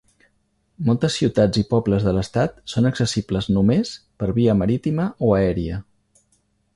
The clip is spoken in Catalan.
Moltes ciutats i pobles de l'estat són accessibles només per via marítima o aèria.